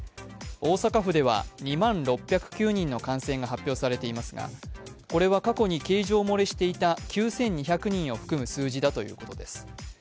大阪府では２万６０９人の感染が発表されていますが、これは過去に計上漏れしていた９２００人を福数字だということです。